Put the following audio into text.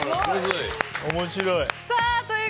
面白い。